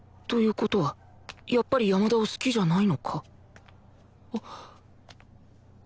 事はやっぱり山田を好きじゃないのか？